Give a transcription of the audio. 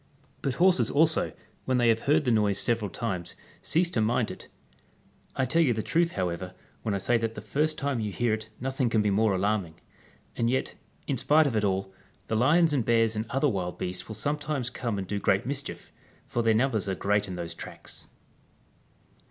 But horses also, when they have heard the noise several times, cease to mind it. I tell you the truth, however, when I say that the first time you hear it nothing can be more alarming. And yet, in spite of all, the lions and bears and other wild beasts will sometimes come and do great mischief; for their num bers are great in those tracts.